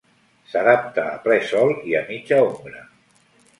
S'adapta a ple sol i a mitja ombra.